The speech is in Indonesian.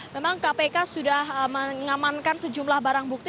memang kpk sudah mengamankan sejumlah barang bukti